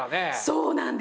そうなんです。